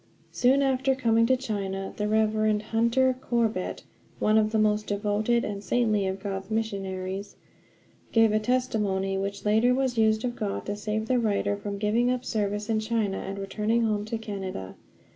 Soon after coming to China the Rev. Hunter Corbett, one of the most devoted and saintly of God's missionaries, gave a testimony which later was used of God to save the writer from giving up service in China and returning home to Canada.